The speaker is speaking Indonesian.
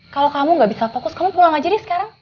kalau kamu gak bisa fokus kamu pulang aja deh sekarang